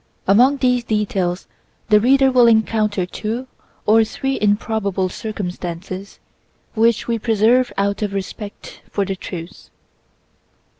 Among these details the reader will encounter two or three improbable circumstances, which we preserve out of respect for the truth.